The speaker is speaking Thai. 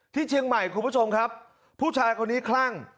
ที่เชียงใหม่คุณผู้ชมครับผู้ชายคนนี้คลั่ง